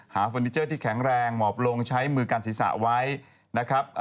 เฟอร์นิเจอร์ที่แข็งแรงหมอบลงใช้มือกันศีรษะไว้นะครับ